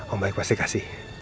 om baik pasti kasih